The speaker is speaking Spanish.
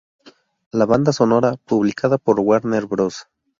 La banda sonora, publicada por Warner Bros.